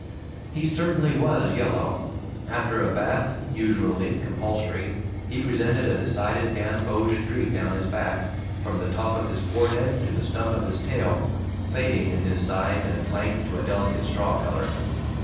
He certainly WAS yellow. After a bath usually compulsory he presented a decided gamboge streak down his back, from the top of his forehead to the stump of his tail, fading in his sides and flank to a delicate straw color.